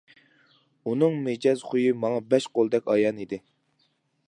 ئۇنىڭ مىجەز خۇيى ماڭا بەش قولدەك ئايان ئىدى.